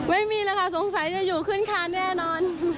ไม่มีแล้วค่ะสงสัยจะอยู่ขึ้นคานแน่นอน